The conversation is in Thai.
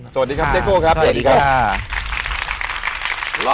สวัสดีครับเจ๊โก้ครับสวัสดีครับ